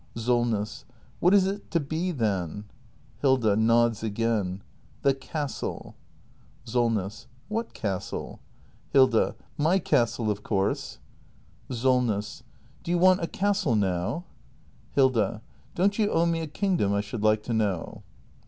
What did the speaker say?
SOLNESS. What is it to be then ? Hilda. [Nods again.] The castle. SOLNESS, What castle ? Hilda M y castle, of course. act in] THE MASTER BUILDER 405 SOLNESS. Do you want a castle now? Hilda. Don't you owe me a kingdom, I should like to know